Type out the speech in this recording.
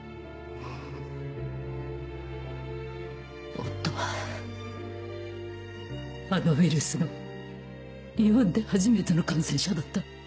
夫はあのウイルスの日本で初めての感染者だった。